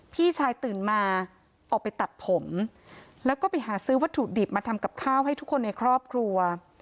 พี่ชายตื่นมาออกไปตัดผมแล้วก็ไปหาซื้อวัตถุดิบมาทำกับข้าวให้ทุกคนในครอบครัว